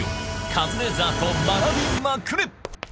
カズレーザーと学びまくれ！